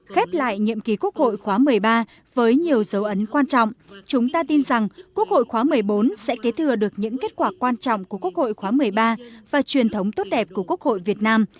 khép lại nhiệm ký quốc hội khóa một mươi ba với nhiều dấu ấn quan trọng chúng ta tin rằng quốc hội khóa một mươi bốn sẽ kế thừa được những kết quả quan trọng của quốc hội khóa một mươi ba và truyền thống tốt đẹp của quốc hội việt nam